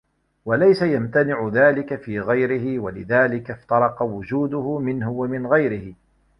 وَلَيْسَ يَمْتَنِعُ ذَلِكَ فِي غَيْرِهِ وَلِذَلِكَ افْتَرَقَ وُجُودُهُ مِنْهُ وَمِنْ غَيْرِهِ